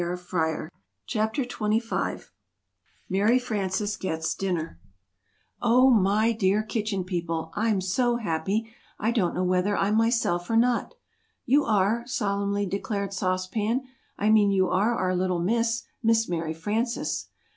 ] CHAPTER XXV MARY FRANCES GETS DINNER "OH, my dear Kitchen People, I'm so happy, I don't know whether I'm myself or not!" "You are!" solemnly declared Sauce Pan, "I mean you are our little 'Miss' Miss Mary Frances."